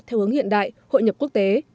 theo hướng hiện đại hội nhập quốc tế